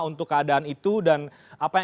untuk keadaan itu dan apa yang